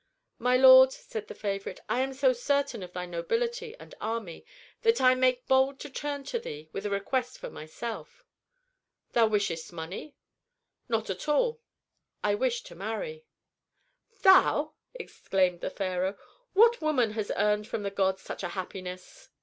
"My lord," said the favorite, "I am so certain of thy nobility and army that I make bold to turn to thee with a request for myself." "Thou wishest money?" "Not at all. I wish to marry." "Thou!" exclaimed the pharaoh. "What woman has earned from the gods such a happiness?"